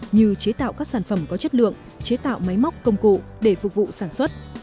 như chế tạo các sản phẩm có chất lượng chế tạo máy móc công cụ để phục vụ sản xuất